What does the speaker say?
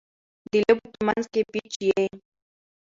د لوبي په منځ کښي پېچ يي.